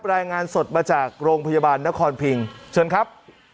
รายงานสดมาจากโรงพยาบาลนครพิงเชิญครับ